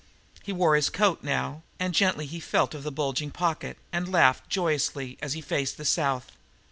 He wore his coat now, and gently he felt of the bulging pocket, and laughed joyously as he faced the South.